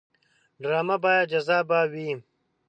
ډرامه باید جذابه وي